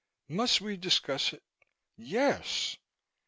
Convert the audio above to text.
Must we discuss it?" "Yes!"